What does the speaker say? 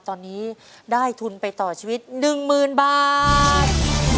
ตอนนี้ได้ทุนไปต่อชีวิตหนึ่งหมื่นบาท